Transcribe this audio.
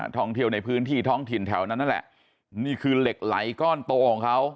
ท่องเที่ยวในพื้นที่ท้องถิ่นแถวนั้นนั่นแหละนี่คือเหล็กไหลก้อนโตของเขา